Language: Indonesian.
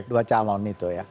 dua calon itu ya